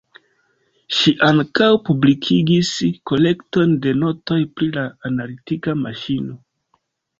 Ŝi ankaŭ publikigis kolekton de notoj pri la analitika maŝino.